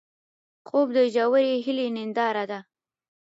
خوب د ژورې هیلې ننداره ده